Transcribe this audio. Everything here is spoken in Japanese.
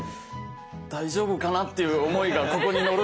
大丈夫かなっていう思いがここに乗るんだよね。